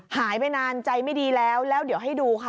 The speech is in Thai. หายไปนานใจไม่ดีแล้วแล้วเดี๋ยวให้ดูค่ะ